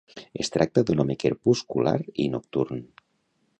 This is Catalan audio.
Es tracta d'un home crepuscular i nocturn.